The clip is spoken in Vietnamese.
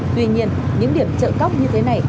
tuy nhiên những điểm trợ góc như thế này